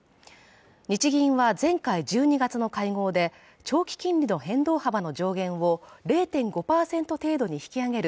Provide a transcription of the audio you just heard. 日銀は前回１２月の会合で長期金利の変動幅の上限を０．５％程度に引き上げる